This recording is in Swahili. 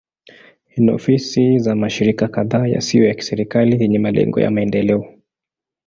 Ina ofisi za mashirika kadhaa yasiyo ya kiserikali yenye malengo ya maendeleo.